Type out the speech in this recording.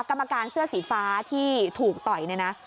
กรรมการเสื้อสีฟ้าที่ถูกต่อยเนี่ยนะ